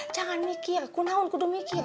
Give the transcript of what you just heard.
jangan mikir aku naung kudu mikir